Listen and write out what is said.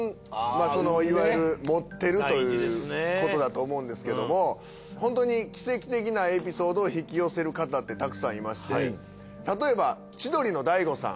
そのいわゆる持ってるということだと思うんですけども本当に奇跡的なエピソードを引き寄せる方ってたくさんいまして例えば千鳥の大悟さん。